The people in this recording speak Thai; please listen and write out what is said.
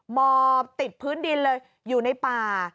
หมอบติดพื้นดินเลยอยู่ในป่า